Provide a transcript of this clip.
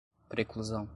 preclusão